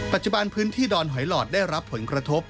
ปัจจุบันพื้นที่ดอนหอยหลอดได้รับผลกระทบ